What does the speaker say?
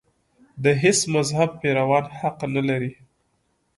د هېڅ مذهب پیروان حق نه لري.